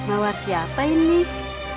kalautu vaan apjak kannstan nih